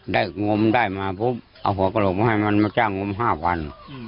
ได้โมงมันได้มาปุ๊บเอาหัวกะโหลกมาให้มันมาจ้างโมงมัน๕วัน